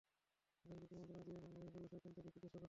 তাদেরকে কুমন্ত্রণা দিয়ে এবং মোহে ফেলে শয়তান তাদের দুর্দশা ঘটায়।